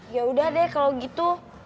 yaudah deh kalo gitu